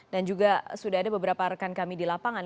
dan juga sudah ada beberapa rekan kami di lapangan